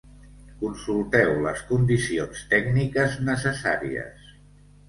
Consulteu les condicions tècniques necessàries.